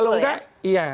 kalau enggak iya